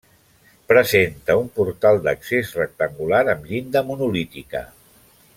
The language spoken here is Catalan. Presenta un portal d'accés rectangular amb llinda monolítica.